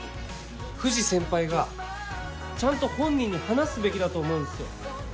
藤先輩がちゃんと本人に話すべきだと思うんですよ。